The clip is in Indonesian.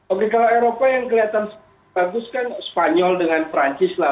oke kalau eropa yang kelihatan bagus kan spanyol dengan perancis lah